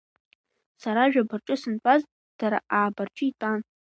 Сара жәаба рҿы сынтәаз, дара ааба рҿы итәан…